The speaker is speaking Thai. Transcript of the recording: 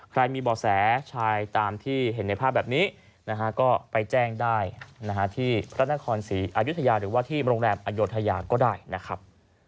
ใครมีบ่อแสชายตามที่เห็นในภาพแบบนี้นะฮะก็ไปแจ้งได้ที่พระนครศรีอายุทยาหรือว่าที่โรงแรมอโยธยาก็ได้นะครับ